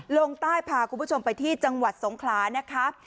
ลงใต้พาคุณผู้ชมไปที่จังหวัดสงขลานะคะ